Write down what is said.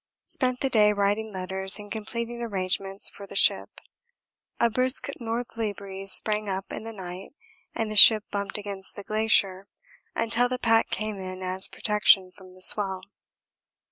Spent the day writing letters and completing arrangements for the ship a brisk northerly breeze sprang up in the night and the ship bumped against the glacier until the pack came in as protection from the swell.